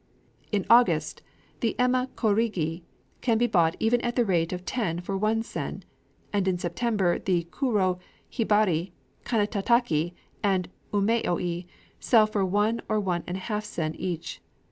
In August the Emma kōrogi can be bought even at the rate of ten for one sen; and in September the kuro hibari, kanétataki, and umaoi sell for one or one and a half sen each.